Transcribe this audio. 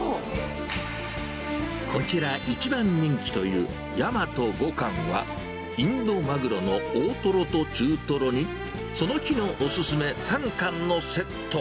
こちら、一番人気というやまと五貫は、インドマグロの大トロと中トロに、その日のお勧め３貫のセット。